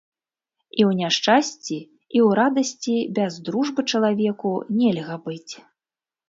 І ў няшчасці, і ў радасці без дружбы чалавеку нельга быць.